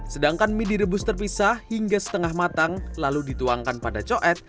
sedangkan mie direbus terpisah hingga setengah matang lalu dituangkan pada coet